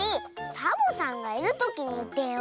サボさんがいるときにいってよ。